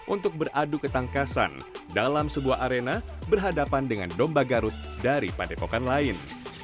untuk beradu ketangkasan dalam sebuah arena berhadapan dengan domba garut dari padepokan lain